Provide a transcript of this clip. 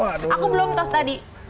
aku belum tos tadi